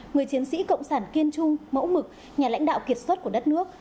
người chiến sĩ cộng sản kiên trung mẫu mực nhà lãnh đạo kiệt xuất của đất nước